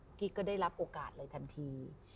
พุกกี้ก็ได้รับโอกาสเลยทันที